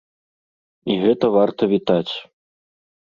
І гэта варта вітаць.